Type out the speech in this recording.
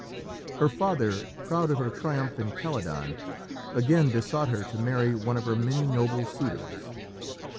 Her father, proud of her triumph in Calydon, again besought her to marry one of her many noble suitors.